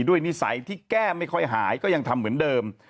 นิสัยที่แก้ไม่ค่อยหายก็ยังทำเหมือนเดิม